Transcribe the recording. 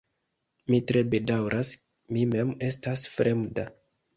Mi tre bedaŭras, mi mem estas fremda.